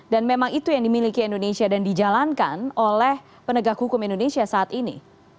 dan memang itu yang dimiliki indonesia dan dijalankan oleh penegak hukum indonesia saat ini